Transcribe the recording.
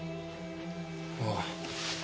ああ。